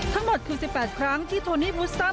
ทั้งหมดคือ๑๘ครั้งที่โทนี่บุสซ่า